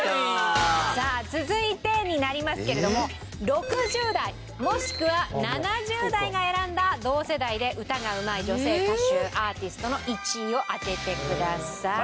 さあ続いてになりますけれども６０代もしくは７０代が選んだ同世代で歌がうまい女性歌手アーティストの１位を当ててください。